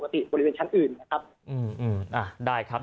ตอนนี้ยังไม่ได้นะครับ